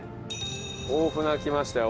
大船来ましたよ。